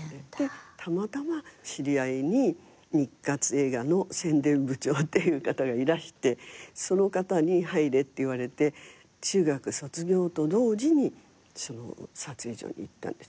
でたまたま知り合いに日活映画の宣伝部長っていう方がいらしてその方に入れって言われて中学卒業と同時に撮影所に行ったんですよね。